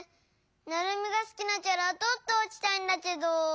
ナルミがすきなキャラとっておきたいんだけど。